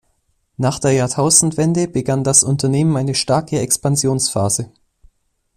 Nach der Jahrtausendwende begann das Unternehmen eine starke Expansionsphase.